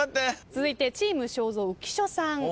続いてチーム正蔵浮所さん。